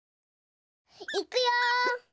いくよ！